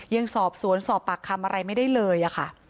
ยังสอบสวนสอบปากคำอะไรไม่ได้เลยค่ะ